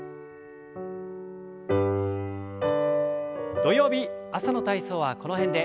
土曜日朝の体操はこの辺で。